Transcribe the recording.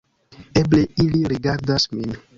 Eble ili rigardas min.